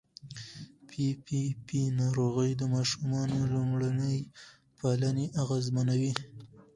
پي پي پي ناروغي د ماشوم لومړني پالنې اغېزمنوي.